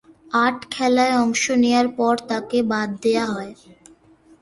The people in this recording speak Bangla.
আট খেলায় অংশ নেয়ার পর তাঁকে বাদ দেয়া হয়।